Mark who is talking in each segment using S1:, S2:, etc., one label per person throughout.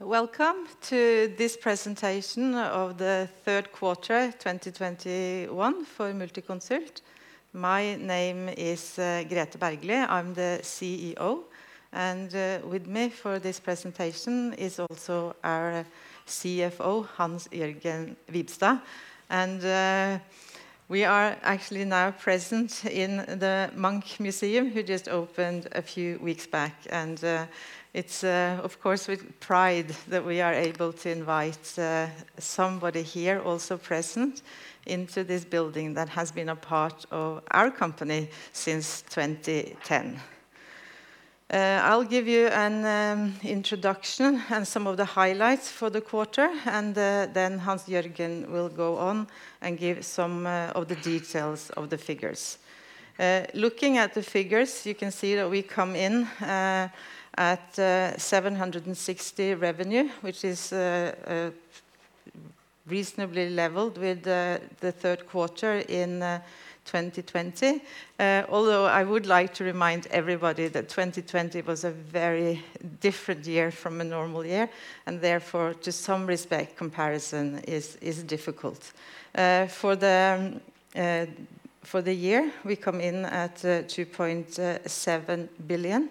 S1: Welcome to this presentation of the third quarter 2021 for Multiconsult. My name is Grethe Bergly. I'm the CEO, and with me for this presentation is also our CFO, Hans-Jørgen Wibstad. We are actually now present in the Munch Museum, who just opened a few weeks back. It's of course with pride that we are able to invite somebody here also present into this building that has been a part of our company since 2010. I'll give you an introduction and some of the highlights for the quarter, and then Hans-Jørgen will go on and give some of the details of the figures. Looking at the figures, you can see that we come in at 760 million revenue, which is reasonably level with the third quarter in 2020. Although I would like to remind everybody that 2020 was a very different year from a normal year, and therefore, to some extent, comparison is difficult. For the year, we come in at 2.7 billion.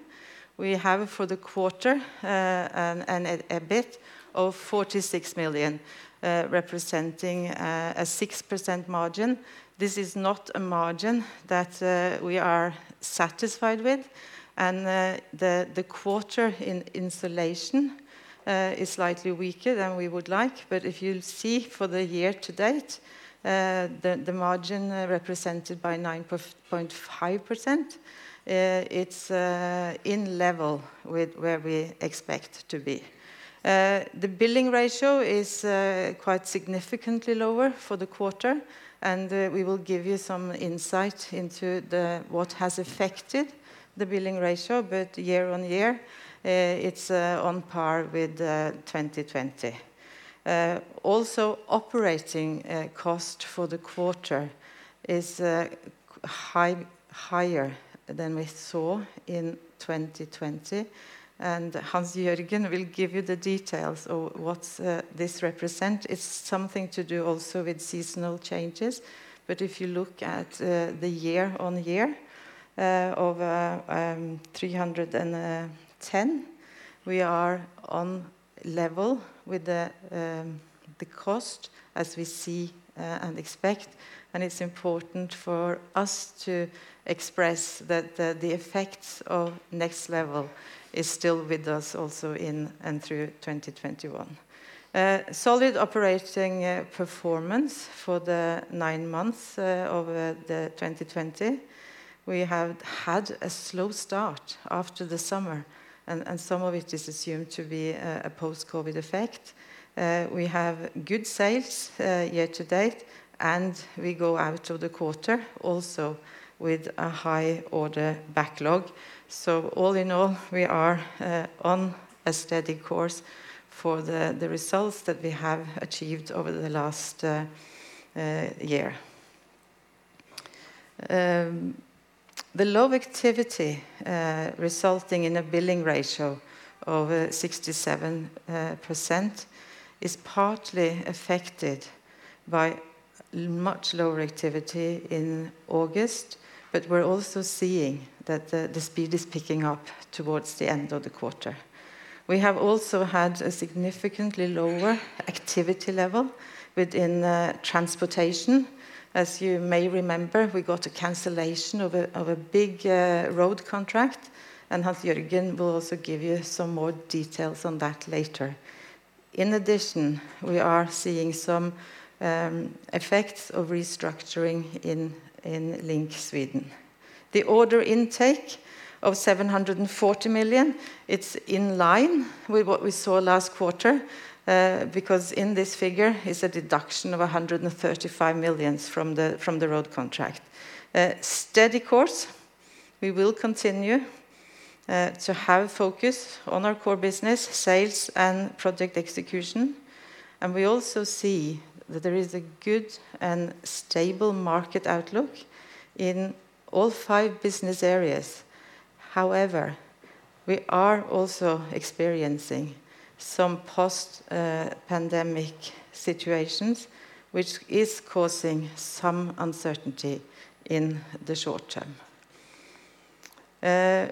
S1: We have for the quarter an EBIT of 46 million, representing a 6% margin. This is not a margin that we are satisfied with and the quarter in isolation is slightly weaker than we would like. If you'll see for the year-to-date, the margin represented by 9.5%, it's in line with where we expect to be. The billing ratio is quite significantly lower for the quarter, and we will give you some insight into what has affected the billing ratio. Year-on-year, it's on par with 2020. Also, operating cost for the quarter is higher than we saw in 2020. Hans-Jørgen will give you the details of what this represent. It's something to do also with seasonal changes. If you look at the year-on-year of NOK 310, we are in line with the cost as we see and expect. It's important for us to express that the effects of nextLEVEL is still with us also in and through 2021. Solid operating performance for the 9 months of 2020. We have had a slow start after the summer and some of it is assumed to be a post-COVID effect. We have good sales year-to-date, and we go out of the quarter also with a high order backlog. All in all, we are on a steady course for the results that we have achieved over the last year. The low activity resulting in a billing ratio of 67% is partly affected by much lower activity in August. We're also seeing that the speed is picking up towards the end of the quarter. We have also had a significantly lower activity level within transportation. As you may remember, we got a cancellation of a big road contract, and Hans-Jørgen Wibstad will also give you some more details on that later. In addition, we are seeing some effects of restructuring in LINK Sweden. The order intake of 740 million is in line with what we saw last quarter because in this figure is a deduction of 135 million from the road contract. Steady course, we will continue to have focus on our core business, sales and project execution. We also see that there is a good and stable market outlook in all five business areas. However, we are also experiencing some post-pandemic situations which is causing some uncertainty in the short term.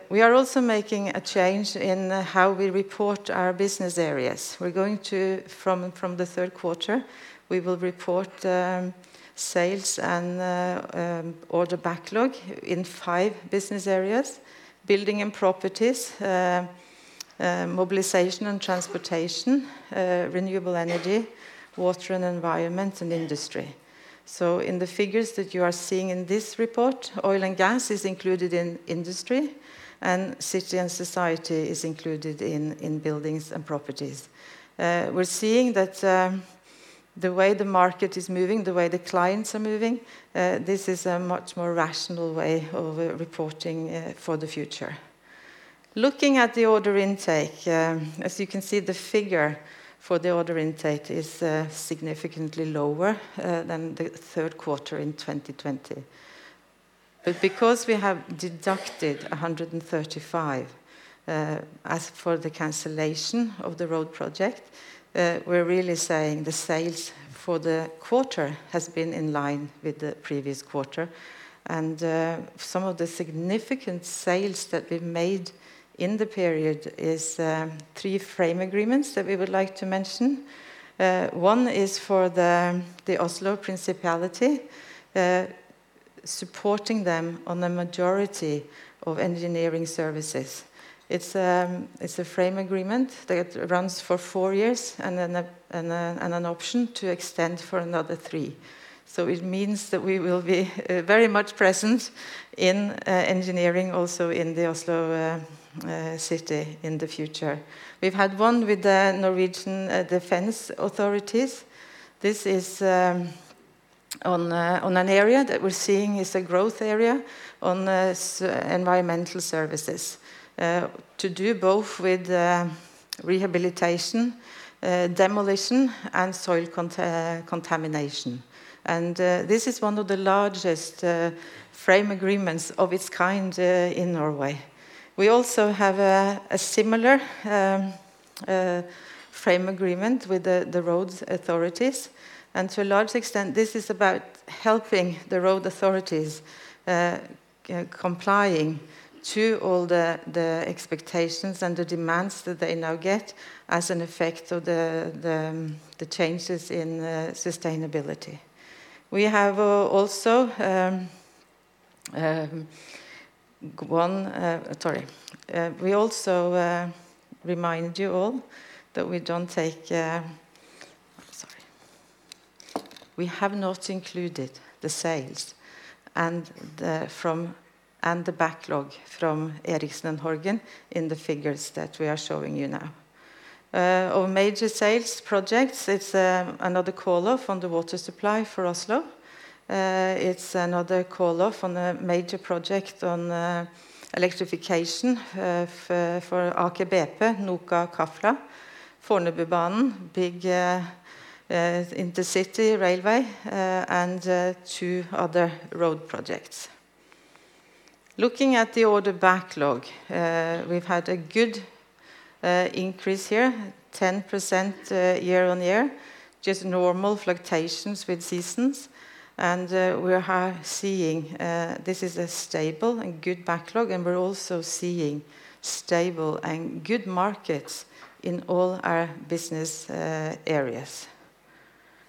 S1: We are also making a change in how we report our business areas. We're going to from the third quarter, we will report sales and order backlog in five business areas: building and properties, mobilization and transportation, renewable energy, water and environment, and industry. In the figures that you are seeing in this report, oil and gas is included in industry, and city and society is included in buildings and properties. We're seeing that the way the market is moving, the way the clients are moving, this is a much more rational way of reporting for the future. Looking at the order intake, as you can see, the figure for the order intake is significantly lower than the third quarter in 2020. Because we have deducted 135 as for the cancellation of the road project, we're really saying the sales for the quarter has been in line with the previous quarter. Some of the significant sales that we've made in the period is three frame agreements that we would like to mention. One is for the Oslo Municipality, supporting them on the majority of engineering services. It's a frame agreement that runs for four years and then an option to extend for another three. It means that we will be very much present in engineering also in the Oslo city in the future. We've had one with the Norwegian defense authorities. This is on an area that we're seeing is a growth area on environmental services to do with both rehabilitation, demolition and soil contamination. This is one of the largest frame agreements of its kind in Norway. We also have a similar frame agreement with the roads authorities. To a large extent, this is about helping the road authorities complying with all the expectations and the demands that they now get as an effect of the changes in sustainability. We also remind you all that we don't take. I'm sorry. We have not included the sales and the backlog from Erichsen & Horgen in the figures that we are showing you now. Our major sales projects, it's another call off on the water supply for Oslo. It's another call off on a major project on electrification for Aker BP, NOA Krafla, Fornebubanen, big intercity railway, and two other road projects. Looking at the order backlog, we've had a good increase here, 10%, year-on-year, just normal fluctuations with seasons. We are seeing this is a stable and good backlog, and we're also seeing stable and good markets in all our business areas.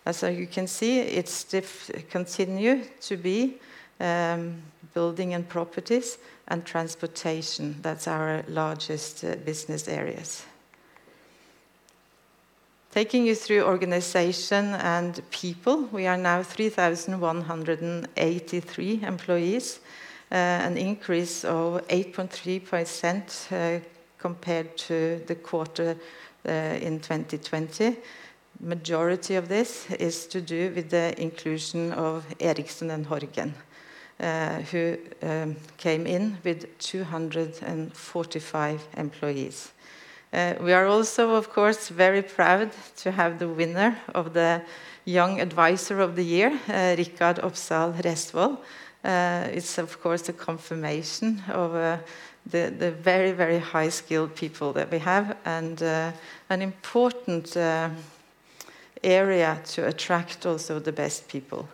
S1: As you can see, it continues to be building and properties and transportation. That's our largest business areas. Taking you through organization and people, we are now 3,183 employees, an increase of 8.3% compared to the quarter in 2020. Majority of this is to do with the inclusion of Erichsen & Horgen, who came in with 245 employees. We are also of course very proud to have the winner of the Young Advisor of the Year, Richard Opsahl Resvoll. It's of course a confirmation of the very high skilled people that we have and an important area to attract also the best people.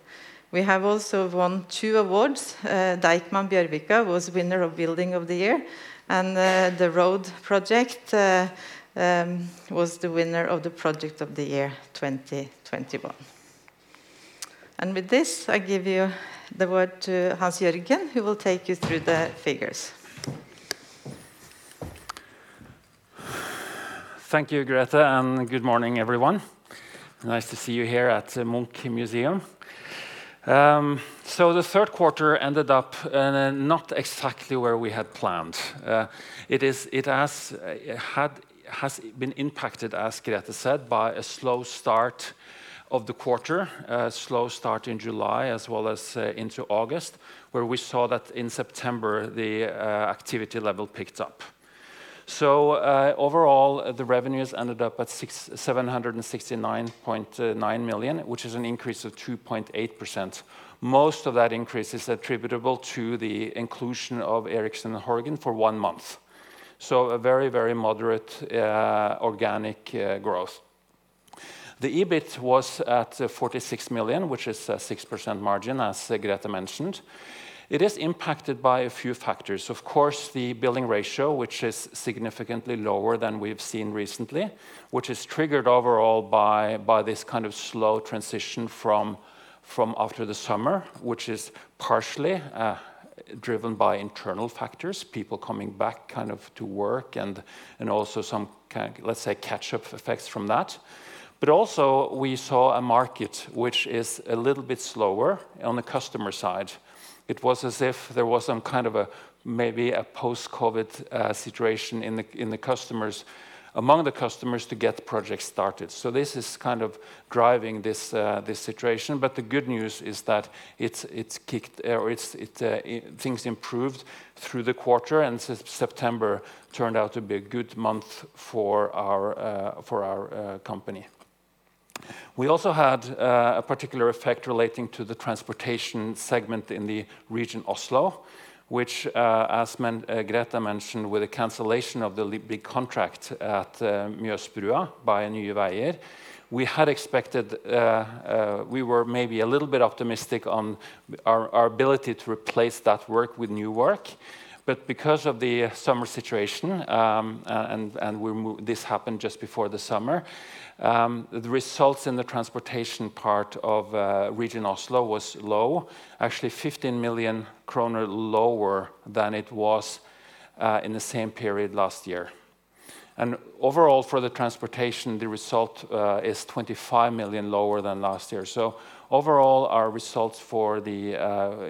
S1: We have also won two awards. Deichman Bjørvika was winner of Building of the Year, and the road project was the winner of the Project of the Year 2021. With this, I give you the word to Hans-Jørgen, who will take you through the figures.
S2: Thank you, Grethe, and good morning, everyone. Nice to see you here at the Munch Museum. The third quarter ended up not exactly where we had planned. It has been impacted, as Grethe said, by a slow start of the quarter, a slow start in July as well as into August, where we saw that in September, the activity level picked up. Overall, the revenues ended up at 679.9 million, which is an increase of 2.8%. Most of that increase is attributable to the inclusion of Erichsen & Horgen for one month. A very, very moderate organic growth. The EBIT was at 46 million, which is a 6% margin, as Grethe mentioned. It is impacted by a few factors. Of course, the billing ratio, which is significantly lower than we've seen recently, which is triggered overall by this kind of slow transition from after the summer, which is partially driven by internal factors, people coming back kind of to work and also some let's say, catch-up effects from that. Also, we saw a market which is a little bit slower on the customer side. It was as if there was some kind of a, maybe a post-COVID situation in the customers, among the customers to get projects started. This is kind of driving this situation, but the good news is that it's things improved through the quarter, and September turned out to be a good month for our company. We also had a particular effect relating to the transportation segment in the Region Oslo, which, as Grethe mentioned, with the cancellation of the big contract at Mjøsbrua by Nye Veier, we had expected, we were maybe a little bit optimistic on our ability to replace that work with new work. Because of the summer situation, this happened just before the summer, the results in the transportation part of Region Oslo was low, actually 15 million kroner lower than it was in the same period last year. Overall, for the transportation, the result is 25 million lower than last year. Overall, our results for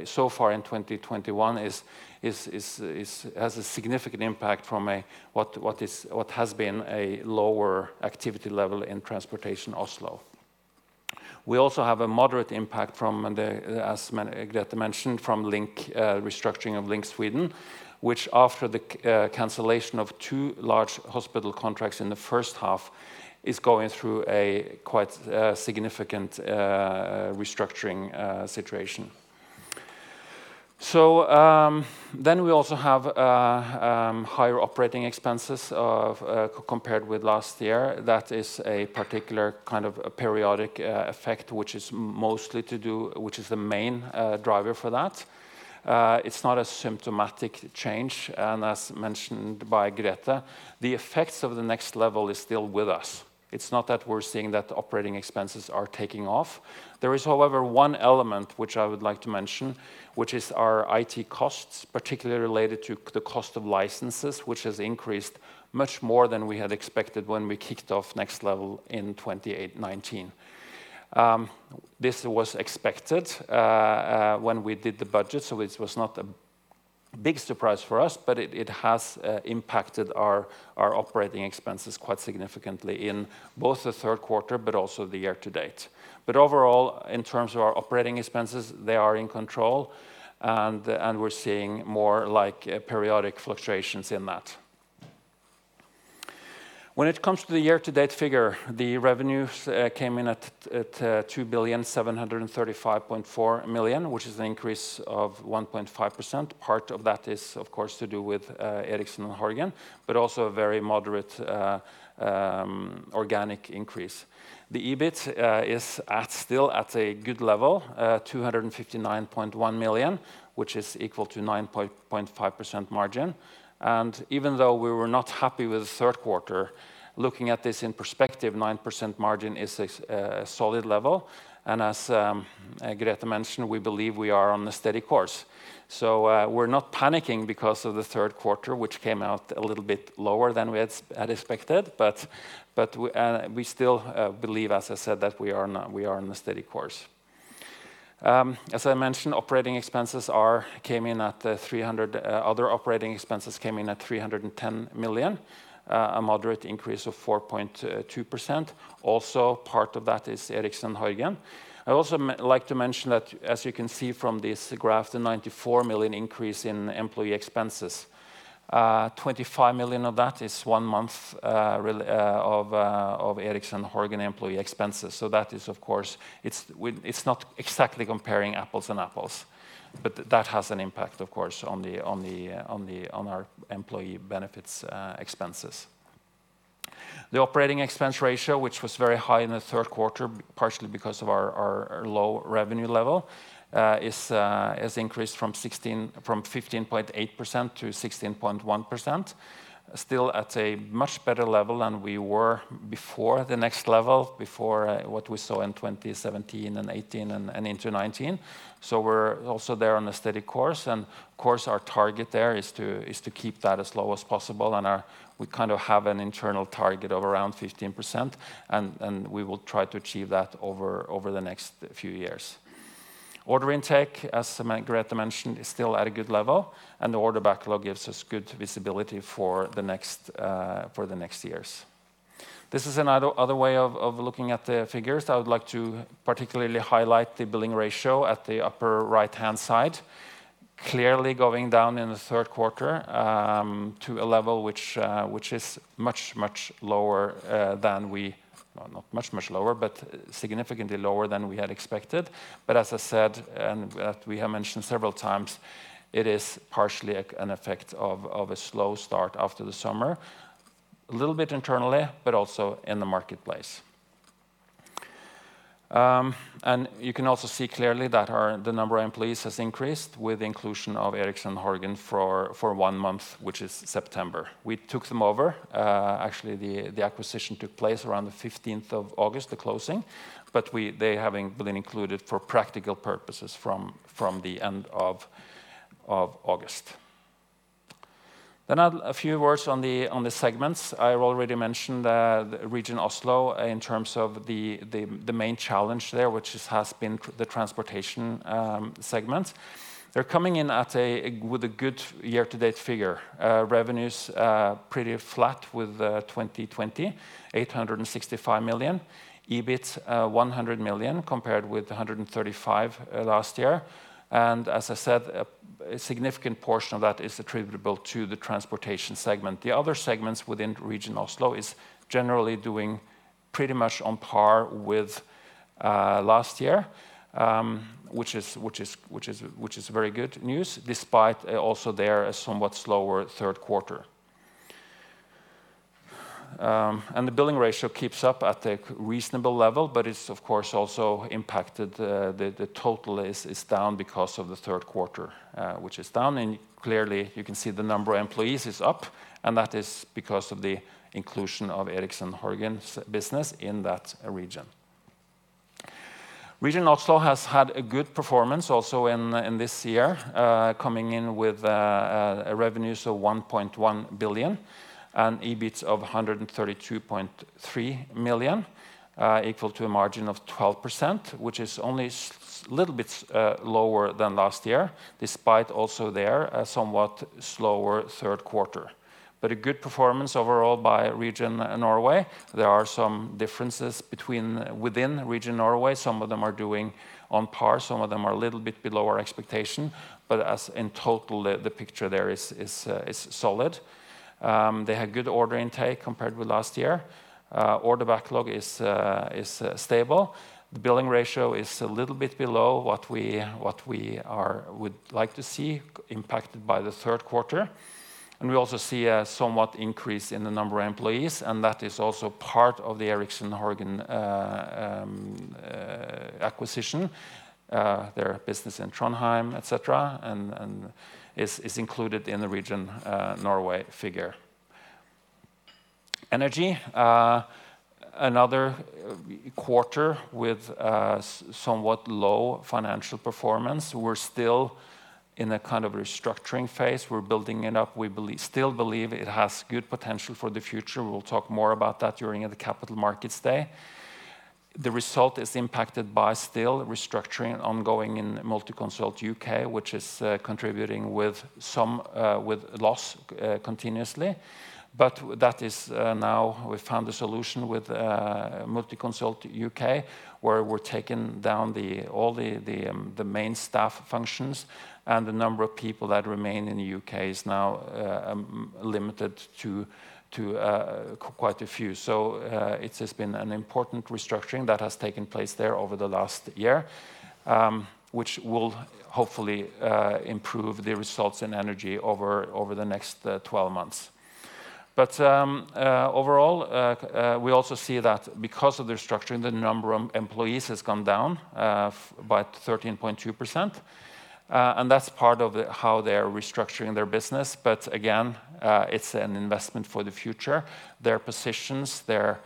S2: so far in 2021 is has a significant impact from what has been a lower activity level in transportation Oslo. We also have a moderate impact from the, as Grethe mentioned, from LINK, restructuring of LINK Sweden, which after the cancellation of two large hospital contracts in the first half, is going through a quite significant restructuring situation. We also have higher operating expenses compared with last year. That is a particular kind of periodic effect, which is the main driver for that. It's not a systematic change. As mentioned by Grethe, the effects of the nextLEVEL is still with us. It's not that we're seeing that operating expenses are taking off. There is, however, one element which I would like to mention, which is our IT costs, particularly related to the cost of licenses, which has increased much more than we had expected when we kicked off nextLEVEL in 2019. This was expected when we did the budget, so it was not a big surprise for us, but it has impacted our operating expenses quite significantly in both the third quarter but also the year to date. Overall, in terms of our operating expenses, they are in control, and we're seeing more like periodic fluctuations in that. When it comes to the year-to-date figure, the revenues came in at 2,735.4 million, which is an increase of 1.5%. Part of that is of course to do with Erichsen & Horgen, but also a very moderate organic increase. The EBIT is at still at a good level, 259.1 million, which is equal to 9.5% margin. Even though we were not happy with the third quarter, looking at this in perspective, 9% margin is a solid level. As Grethe mentioned, we believe we are on a steady course. We're not panicking because of the third quarter, which came out a little bit lower than we had had expected. we still believe, as I said, that we are on a steady course. As I mentioned, operating expenses came in at 300, other operating expenses came in at 310 million, a moderate increase of 4.2%. Also part of that is Erichsen & Horgen. I also like to mention that as you can see from this graph, the 94 million increase in employee expenses, 25 million of that is one month of Erichsen & Horgen employee expenses. That is of course, it's not exactly comparing apples to apples, but that has an impact of course, on our employee benefits expenses. The operating expense ratio, which was very high in the third quarter, partially because of our low revenue level, is increased from 15.8% to 16.1%, still at a much better level than we were before the nextLEVEL, before what we saw in 2017 and 2018 and into 2019. We're also there on a steady course. Of course, our target there is to keep that as low as possible. We kind of have an internal target of around 15%, and we will try to achieve that over the next few years. Order intake, as Grethe mentioned, is still at a good level, and the order backlog gives us good visibility for the next years. This is another way of looking at the figures. I would like to particularly highlight the billing ratio at the upper right-hand side, clearly going down in the third quarter to a level which is significantly lower than we had expected. As I said, and as we have mentioned several times, it is partially an effect of a slow start after the summer, a little bit internally, but also in the marketplace. You can also see clearly that the number of employees has increased with the inclusion of Erichsen & Horgen for one month, which is September. We took them over. Actually, the acquisition took place around the 15th of August, the closing. They have been included for practical purposes from the end of August. A few words on the segments. I already mentioned the Region Oslo in terms of the main challenge there, which has been the transportation segment. They're coming in with a good year-to-date figure. Revenues pretty flat with 2020, 865 million. EBIT one hundred million compared with 135 last year. As I said, a significant portion of that is attributable to the transportation segment. The other segments within Region Oslo is generally doing pretty much on par with last year, which is very good news despite also there a somewhat slower third quarter. The billing ratio keeps up at a reasonable level, but it's of course also impacted, the total is down because of the third quarter, which is down. Clearly you can see the number of employees is up, and that is because of the inclusion of Erichsen & Horgen business in that region. Region Oslo has had a good performance also in this year, coming in with a revenue of 1.1 billion and EBIT of 132.3 million, equal to a margin of 12%, which is only a little bit lower than last year despite also there a somewhat slower third quarter. A good performance overall by Region Norway. There are some differences within Region Norway. Some of them are doing on par, some of them are a little bit below our expectation. As in total, the picture there is solid. They had good order intake compared with last year. Order backlog is stable. The billing ratio is a little bit below what we would like to see impacted by the third quarter. We also see a somewhat increase in the number of employees, and that is also part of the Erichsen & Horgen acquisition, their business in Trondheim, et cetera, and is included in the Region Norway figure. Energy, another quarter with somewhat low financial performance. We're still in a kind of restructuring phase. We're building it up. We still believe it has good potential for the future. We'll talk more about that during the Capital Markets Day. The result is impacted by still restructuring ongoing in Multiconsult UK, which is contributing with some loss continuously. That is now we found a solution with Multiconsult UK, where we're taking down all the main staff functions and the number of people that remain in the UK is now limited to quite a few. It's just been an important restructuring that has taken place there over the last year, which will hopefully improve the results in energy over the next 12 months. Overall, we also see that because of the restructuring, the number of employees has come down by 13.2%, and that's part of how they are restructuring their business. Again, it's an investment for the future. Their positions, their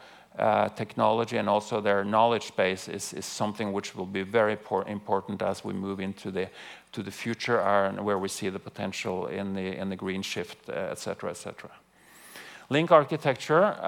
S2: technology, and also their knowledge base is something which will be very important as we move into the future and where we see the potential in the green shift, et cetera, et cetera. LINK Arkitektur,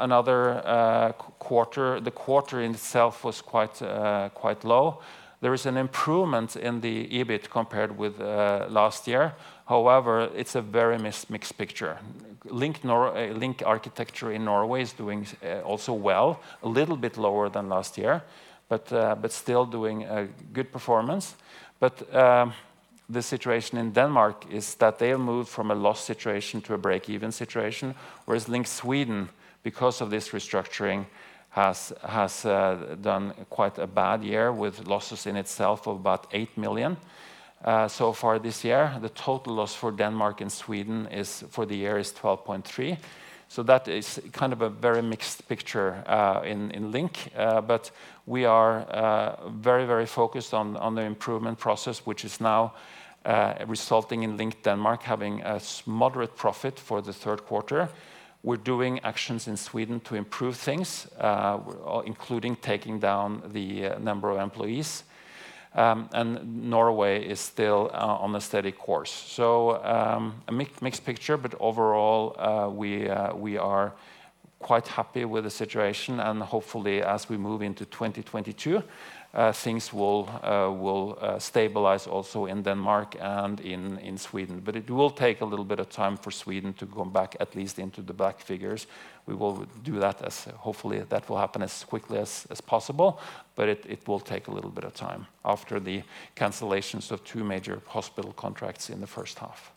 S2: another quarter. The quarter in itself was quite low. There is an improvement in the EBIT compared with last year. However, it's a very mixed picture. LINK Arkitektur in Norway is doing also well, a little bit lower than last year, but still doing a good performance. The situation in Denmark is that they have moved from a loss situation to a break-even situation, whereas LINK Sweden, because of this restructuring, has done quite a bad year with losses in itself of about 8 million so far this year. The total loss for Denmark and Sweden, for the year, is 12.3 million. That is kind of a very mixed picture in LINK. We are very, very focused on the improvement process, which is now resulting in LINK Denmark having a moderate profit for the third quarter. We're doing actions in Sweden to improve things, including taking down the number of employees. Norway is still on a steady course. A mixed picture, but overall, we are quite happy with the situation and hopefully as we move into 2022, things will stabilize also in Denmark and in Sweden. It will take a little bit of time for Sweden to come back at least into the black figures. We will do that as hopefully that will happen as quickly as possible, but it will take a little bit of time after the cancellations of two major hospital contracts in the first half.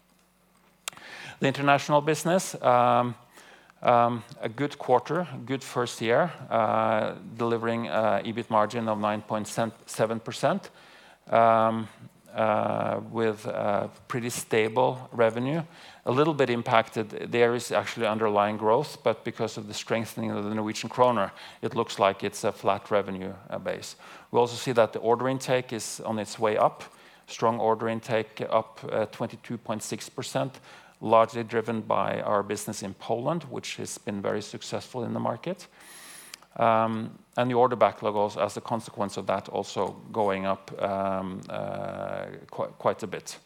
S2: The international business, a good quarter, good first year, delivering a EBIT margin of 9.7%, with a pretty stable revenue. A little bit impacted, there is actually underlying growth, but because of the strengthening of the Norwegian kroner, it looks like it's a flat revenue base. We also see that the order intake is on its way up. Strong order intake up 22.6%, largely driven by our business in Poland, which has been very successful in the market. The order backlog also as a consequence of that also going up quite a bit.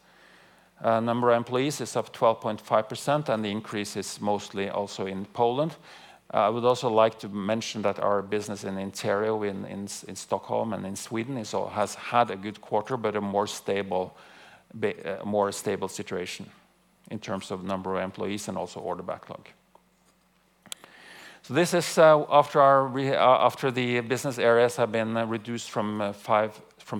S2: Number of employees is up 12.5%, and the increase is mostly also in Poland. I would also like to mention that our business in Ontario in Stockholm and in Sweden has had a good quarter, but a more stable situation in terms of number of employees and also order backlog. This is after the business areas have been reduced from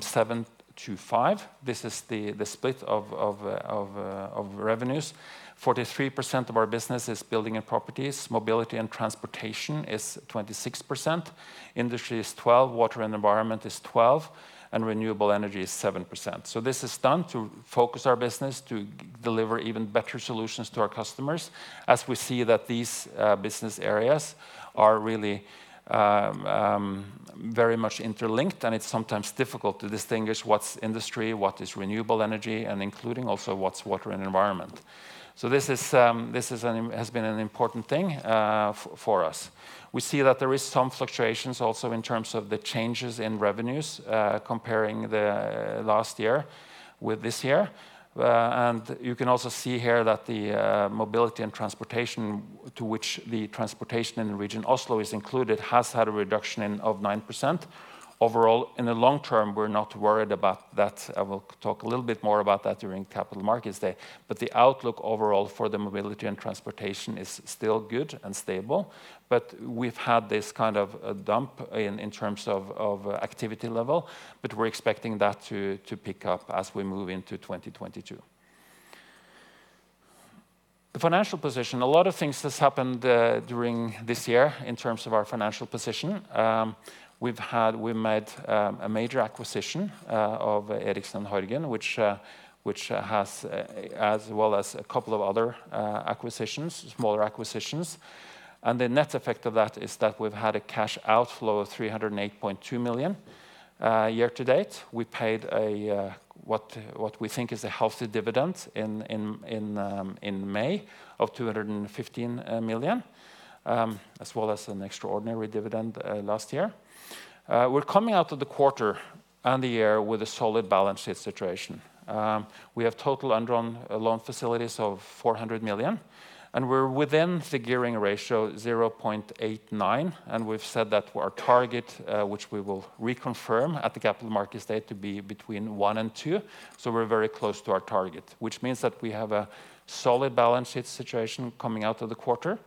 S2: seven to five. This is the split of revenues. 43% of our business is building and properties. Mobility and transportation is 26%. Industry is 12%, water and environment is 12%, and renewable energy is 7%. This is done to focus our business to deliver even better solutions to our customers as we see that these business areas are really very much interlinked, and it's sometimes difficult to distinguish what's industry, what is renewable energy, and including also what's water and environment. This has been an important thing for us. We see that there is some fluctuations also in terms of the changes in revenues comparing the last year with this year. You can also see here that the mobility and transportation to which the transportation in the Region Oslo is included has had a reduction of 9%. Overall, in the long term, we're not worried about that. I will talk a little bit more about that during Capital Markets Day. The outlook overall for the mobility and transportation is still good and stable. We've had this kind of a dip in terms of activity level, but we're expecting that to pick up as we move into 2022. A lot of things has happened during this year in terms of our financial position. We've made a major acquisition of Erichsen & Horgen as well as a couple of other smaller acquisitions. The net effect of that is that we've had a cash outflow of 308.2 million year to date. We paid what we think is a healthy dividend in May of 215 million, as well as an extraordinary dividend last year. We're coming out of the quarter and the year with a solid balance sheet situation. We have total undrawn loan facilities of 400 million, and we're within the gearing ratio 0.89. We've said that our target, which we will reconfirm at the Capital Markets Day to be between one and two, so we're very close to our target, which means that we have a solid balance sheet situation coming out of the quarter.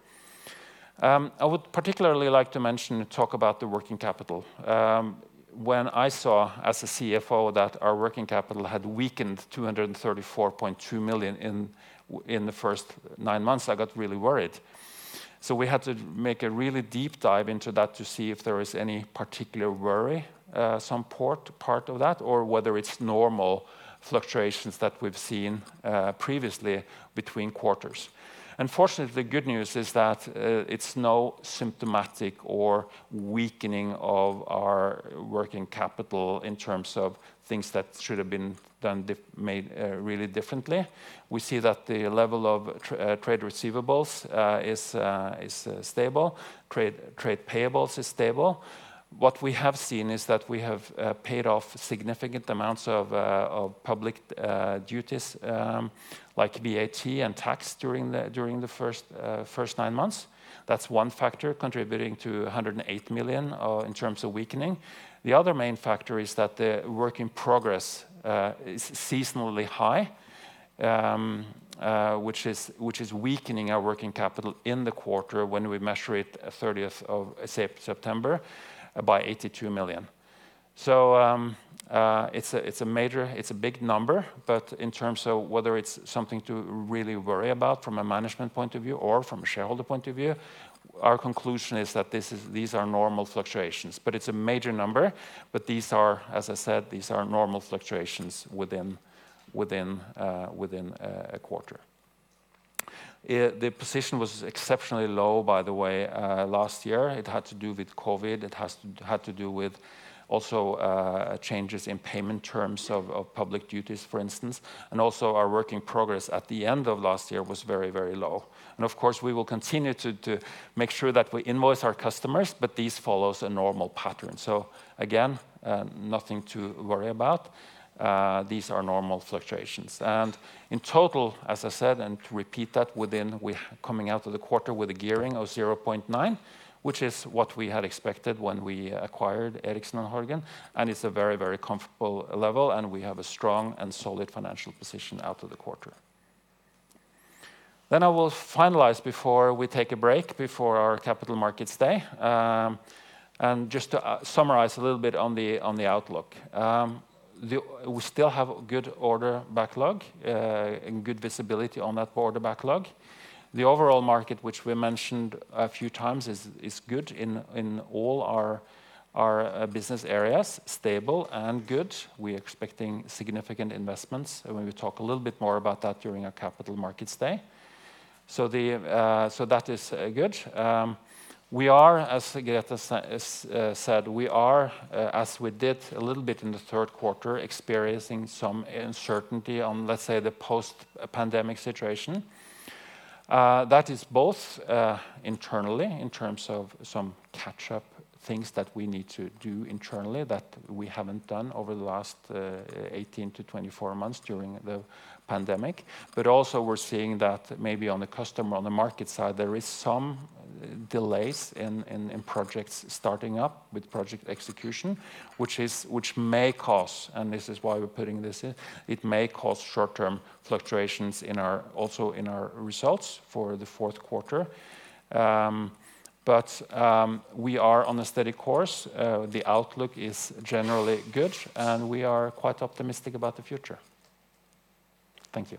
S2: I would particularly like to mention and talk about the working capital. When I saw, as a CFO, that our working capital had weakened 234.2 million in the first nine months, I got really worried. We had to make a really deep dive into that to see if there is any particular worry, some part of that, or whether it's normal fluctuations that we've seen previously between quarters. Fortunately, the good news is that it's not symptomatic of any weakening of our working capital in terms of things that should have been done differently. We see that the level of trade receivables is stable. Trade payables is stable. What we have seen is that we have paid off significant amounts of public duties like VAT and tax during the first nine months. That's one factor contributing to 108 million in terms of weakening. The other main factor is that the work in progress is seasonally high, which is weakening our working capital in the quarter when we measure it 30th of September by 82 million. It's a big number, but in terms of whether it's something to really worry about from a management point of view or from a shareholder point of view, our conclusion is that these are normal fluctuations. It's a major number, but these are, as I said, normal fluctuations within a quarter. The position was exceptionally low, by the way, last year. It had to do with COVID. It had to do with also changes in payment terms of public duties, for instance. Our work in progress at the end of last year was very low. Of course, we will continue to make sure that we invoice our customers, but this follows a normal pattern. Again, nothing to worry about. These are normal fluctuations. In total, as I said, and to repeat that, coming out of the quarter with a gearing of 0.9, which is what we had expected when we acquired Erichsen & Horgen, and it's a very, very comfortable level, and we have a strong and solid financial position out of the quarter. I will finalize before we take a break before our Capital Markets Day. Just to summarize a little bit on the outlook. We still have good order backlog, and good visibility on that order backlog. The overall market, which we mentioned a few times, is good in all our business areas, stable and good. We're expecting significant investments, and we will talk a little bit more about that during our Capital Markets Day. That is good. We are, as Grethe said, as we did a little bit in the third quarter, experiencing some uncertainty on, let's say, the post-pandemic situation. That is both internally in terms of some catch-up things that we need to do internally that we haven't done over the last 18-24 months during the pandemic. We're seeing that maybe on the customer, on the market side, there is some delays in projects starting up with project execution, which may cause, and this is why we're putting this in, it may cause short-term fluctuations in our results for the fourth quarter. We are on a steady course. The outlook is generally good, and we are quite optimistic about the future. Thank you.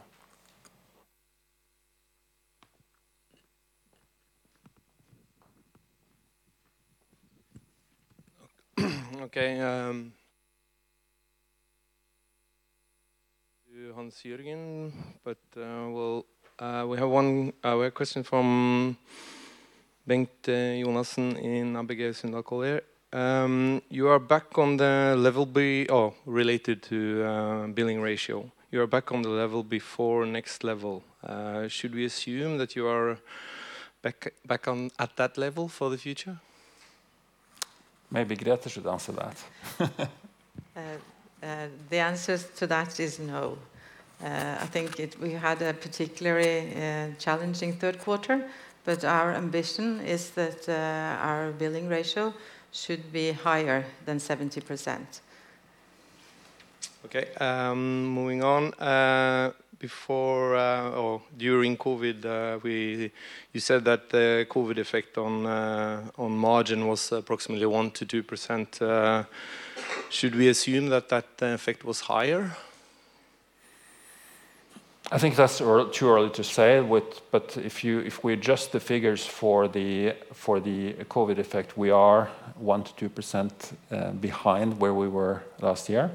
S3: To Hans-Jørgen, we have a question from Bengt Jonassen in ABG Sundal Collier. Related to billing ratio. You are back on the level before nextLEVEL. Should we assume that you are back on that level for the future?
S2: Maybe Grethe should answer that.
S1: The answer to that is no. I think we had a particularly challenging third quarter, but our ambition is that our billing ratio should be higher than 70%.
S3: Okay, moving on. Before or during COVID, you said that the COVID effect on margin was approximately 1%-2%. Should we assume that effect was higher?
S2: I think that's a bit too early to say, but if we adjust the figures for the COVID effect, we are 1%-2% behind where we were last year.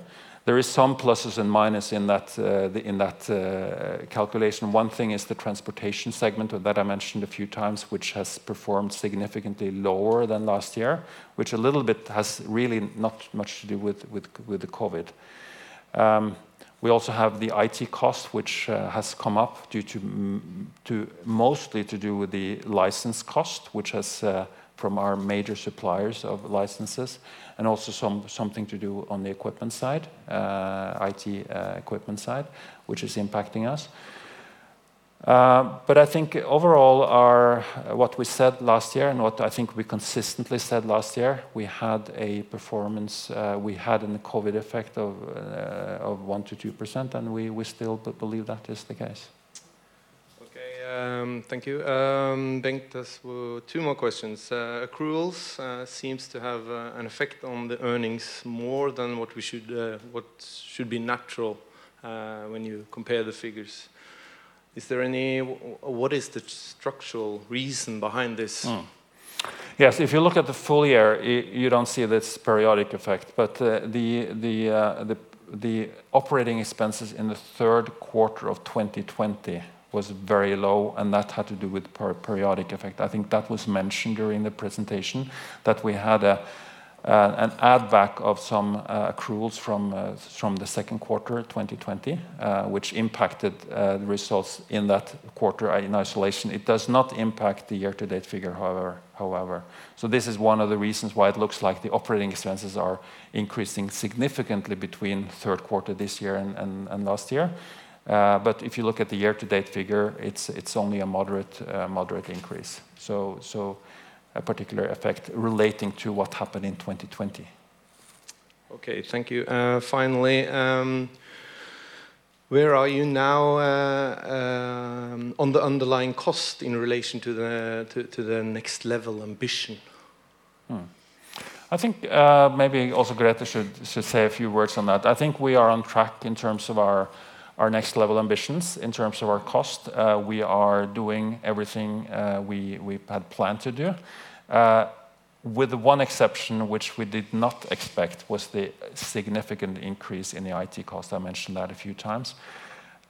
S2: There are some pluses and minuses in that calculation. One thing is the transportation segment that I mentioned a few times, which has performed significantly lower than last year, which a little bit really has not much to do with the COVID. We also have the IT costs, which have come up due to mostly the license costs from our major suppliers of licenses, and also something to do on the IT equipment side, which is impacting us. I think overall what we said last year and what I think we consistently said last year, we had a performance, we had a COVID effect of 1%-2%, and we still believe that is the case.
S3: Okay, thank you. Bengt, two more questions. Accruals seems to have an effect on the earnings more than what we should, what should be natural, when you compare the figures. Is there any or what is the structural reason behind this?
S2: Yes, if you look at the full year, you don't see this periodic effect. The operating expenses in the third quarter of 2020 was very low, and that had to do with periodic effect. I think that was mentioned during the presentation, that we had an add back of some accruals from the second quarter 2020, which impacted results in that quarter in isolation. It does not impact the year-to-date figure, however. This is one of the reasons why it looks like the operating expenses are increasing significantly between third quarter this year and last year. If you look at the year-to-date figure, it's only a moderate increase. A particular effect relating to what happened in 2020.
S3: Okay, thank you. Finally, where are you now on the underlying cost in relation to the nextLEVEL ambition?
S2: I think, maybe also Grethe should say a few words on that. I think we are on track in terms of our nextLEVEL ambitions. In terms of our cost, we are doing everything we had planned to do. With one exception, which we did not expect, was the significant increase in the IT cost. I mentioned that a few times.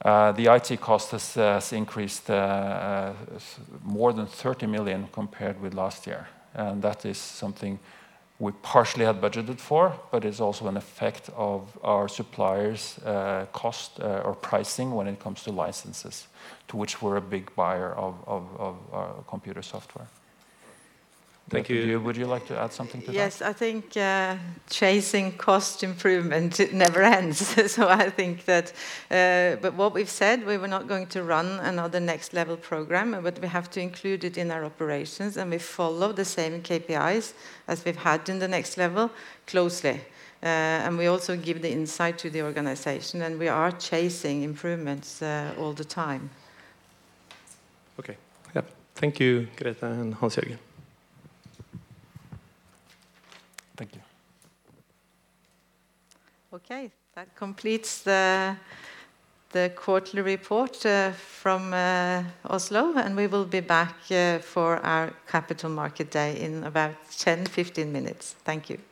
S2: The IT cost has increased more than 30 million compared with last year. That is something we partially had budgeted for, but is also an effect of our suppliers' cost or pricing when it comes to licenses, to which we're a big buyer of computer software.
S3: Thank you. Grethe, would you like to add something to that?
S1: Yes. I think chasing cost improvement, it never ends. I think that, but what we've said, we were not going to run another nextLEVEL program, but we have to include it in our operations, and we follow the same KPIs as we've had in the nextLEVEL closely. We also give the insight to the organization, and we are chasing improvements, all the time.
S3: Okay. Yep. Thank you, Grethe and Hans-Jørgen.
S2: Thank you.
S1: Okay. That completes the quarterly report from Oslo, and we will be back for our Capital Markets Day in about 10-15 minutes. Thank you.